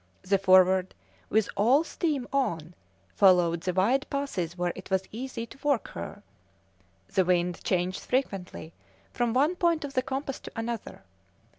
The Forward, with all steam on, followed the wide passes where it was easy to work her. The wind changed frequently from one point of the compass to another.